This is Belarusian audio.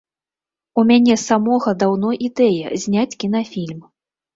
У мяне самога даўно ідэя зняць кінафільм.